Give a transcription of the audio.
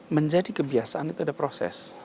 menjadi kebiasaan itu ada proses